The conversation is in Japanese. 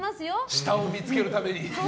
下を見つけるために。